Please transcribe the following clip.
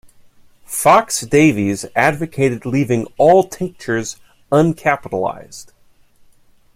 Fox-Davies advocated leaving all tinctures uncapitalized.